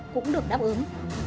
cũng được đáp ứng